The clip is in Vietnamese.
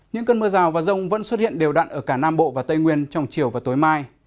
những cơn mưa rào và rông vẫn xuất hiện đều đặn ở cả nam bộ và tây nguyên trong chiều và tối mai